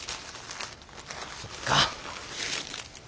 そっか。